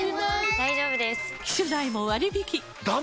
大丈夫です！